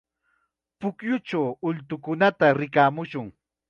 Pukyuchaw ultukunata rikamushun.